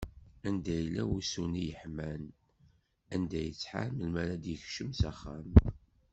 Anda yella wusu-nni yeḥman, anda yettḥar melmi ara d-yekcem s axxam?